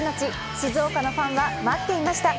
静岡のファンは待っていました。